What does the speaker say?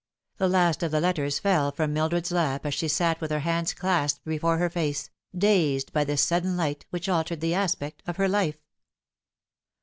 The last of the letters fell from Mildred's lap as she sat with her hands clasped before her if ace, dazed by this sudden light which altered the aspect of her life.